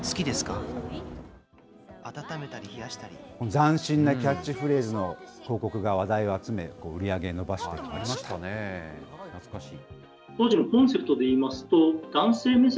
斬新なキャッチフレーズの広告が話題を集め、ありましたね、懐かしい。